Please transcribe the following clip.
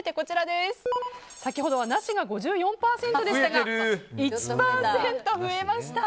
先ほどなしが５４％ほどでしたが１％増えました。